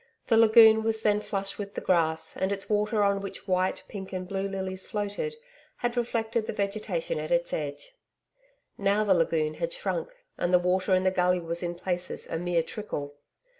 The lagoon was then flush with the grass, and its water, on which white, pink and blue lilies floated, had reflected the vegetation at its edge. Now the lagoon had shrunk and the water in the gully was in places a mere trickle.